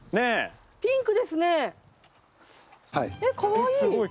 え、かわいい。